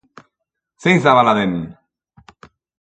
Zein zabala den!